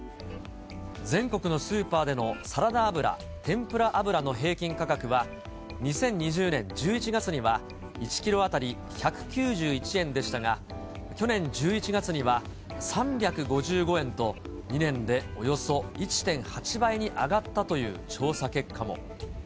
全国のスーパーでのサラダ油・天ぷら油の平均価格は、２０２０年１１月には１キロ当たり１９１円でしたが、去年１１月には３５５円と、２年でおよそ１．８倍に上がったという調査結果も。